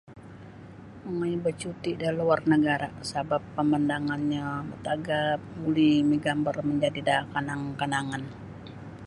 Mongoi bacuti da luar nagara sabab pamandanganyo matagap buli migambar manjadi da kanang-kanangan.